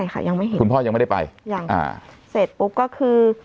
ค่ะยังไม่เห็นคุณพ่อยังไม่ได้ไปยังอ่าเสร็จปุ๊บก็คือ